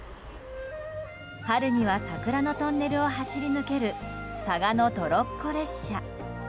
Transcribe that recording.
春には桜のトンネルを走り抜ける嵯峨野トロッコ列車。